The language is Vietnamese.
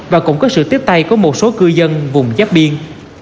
và cũng có sự tiếp tay của một số cư dân vùng giáp biên